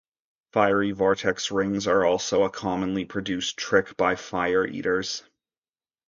Fiery vortex rings are also a commonly produced trick by fire eaters.